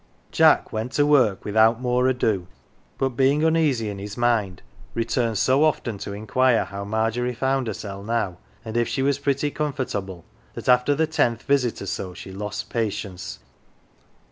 Jack went to work without more ado, but, being un easy in his mind, returned so often to inquire how Margery found hersel' now, and if she was pretty comfortable, that after the tenth visit or so she lost patience.